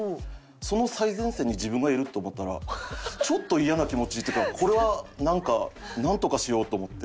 その最前線に自分がいると思ったらちょっと嫌な気持ちっていうかこれはなんかなんとかしようと思って。